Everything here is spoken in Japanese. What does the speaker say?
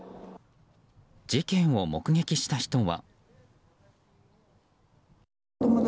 事件を目撃した人は。